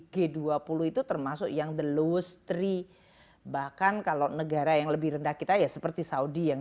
g dua puluh itu termasuk yang the lowestry bahkan kalau negara yang lebih rendah kita ya seperti saudi yang